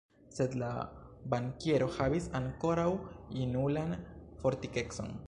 Sed la bankiero havis ankoraŭ junulan fortikecon.